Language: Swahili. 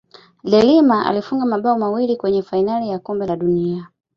deLima alifunga mabao mawili kwenye fainali ya kombe la dunia